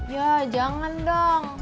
ya jangan dong